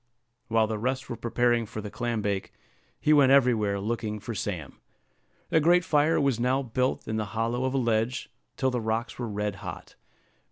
While the rest were preparing for the clam bake, he went everywhere looking for Sam. A great fire was now built in the hollow of a ledge, till the rocks were red hot.